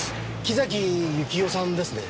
木崎幸生さんですね？